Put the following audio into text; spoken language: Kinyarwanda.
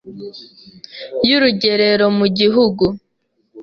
y’urugerero mu gihugu ;